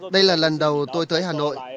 đây là lần đầu tôi tới hà nội